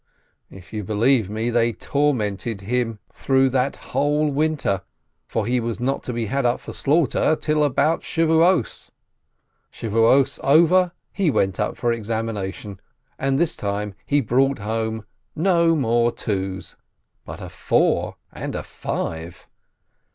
If you'll believe me, they tormented him through that whole winter, for he was not to be had up for slaughter till about Pentecost. Pentecost over, he went up for examination, and this time he brought home no more two's, but a four and a five.